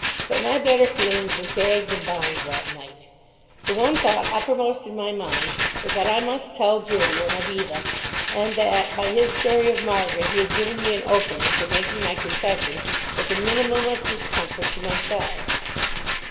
But my better feelings were gagged and bound that night. The one thought uppermost in my mind was that I must tell Julian of Eva, and that by his story of Margaret he had given me an opening for making my confession with the minimum of discomfort to myself.